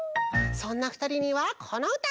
そんなふたりにはこのうた！